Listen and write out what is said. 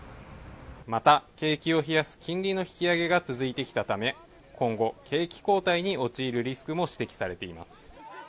また、景気を冷やす金利の引き上げが続いてきたため、今後景気後退に陥るリスクも指摘されています。